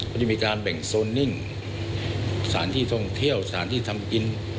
ก็จะมีการแบ่งโซนนิ่งสถานที่ท่องเที่ยวสถานที่ทำกิน